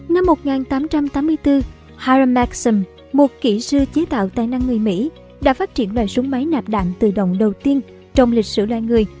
năm một nghìn tám trăm tám mươi bốn harram maxim một kỹ sư chế tạo tài năng người mỹ đã phát triển loại súng máy nạp đạn tự động đầu tiên trong lịch sử loài người